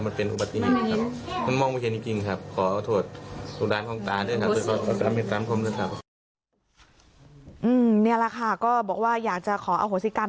นี่แหละค่ะก็บอกว่าอยากจะขออโหสิกรรม